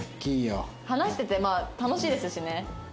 話しててまあ楽しいですしね。